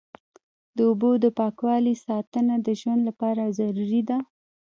د اوبو د پاکوالي ساتنه د ژوند لپاره ضروري ده.